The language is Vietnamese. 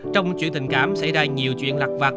trong chuyện tình cảm xảy ra nhiều chuyện lặt vặt